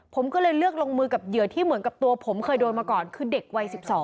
ผมก็เลยเลือกลงมือกับเหยื่อที่เหมือนกับตัวผมเคยโดนมาก่อนคือเด็กวัย๑๒